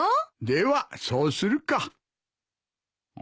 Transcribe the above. ではそうするか。